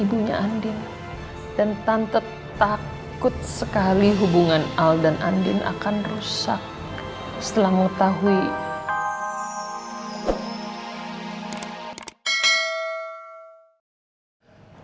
ibunya andin dan tante takut sekali hubungan al dan andin akan rusak selang tahu ii